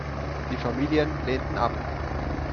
Die Familien lehnten ab.